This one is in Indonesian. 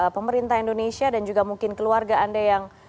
pemerintah indonesia dan juga mungkin keluarga anda yang